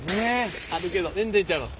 あるけど全然ちゃいます。